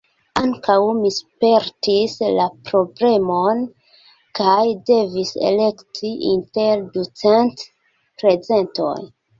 Ankaŭ mi spertis la problemon, kaj devis elekti inter ducent prezentoj.